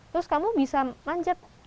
terus kamu bisa manjat